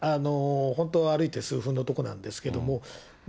本当、歩いて数分の所なんですけど。